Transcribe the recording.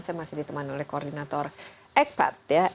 saya masih ditemani oleh koordinator egpat